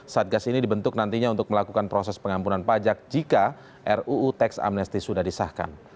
satgas ini dibentuk nantinya untuk melakukan proses pengampunan pajak jika ruu teks amnesti sudah disahkan